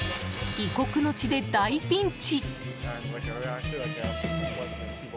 異国の地で大ピンチ！